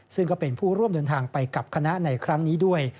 ซึ่งก็เป็นผู้ร่วมเดินทางไปกับคณะในครั้งนี้ด้วย